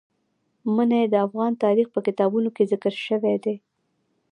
منی د افغان تاریخ په کتابونو کې ذکر شوی دي.